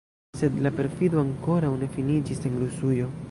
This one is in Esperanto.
Sed la perfido ankoraŭ ne finiĝis en Rusujo.